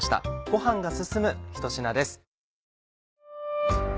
ご飯が進むひと品です。